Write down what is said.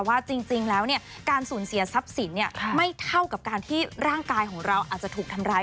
ว่าจริงแล้วการสูญเสียทรัพย์สินไม่เท่ากับการที่ร่างกายของเราอาจจะถูกทำร้าย